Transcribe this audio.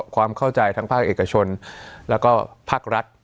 ความเข้าใจทั้งภาคเอกชนแล้วก็ภาครัฐ